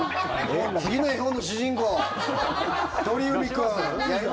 次の絵本の主人公鳥海君。